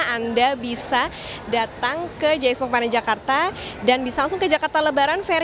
anda bisa datang ke j i expo kemayoran jakarta dan bisa langsung ke jakarta lebaran fair